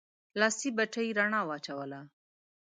لاسي بتۍ رڼا واچوله.